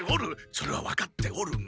それは分かっておるが。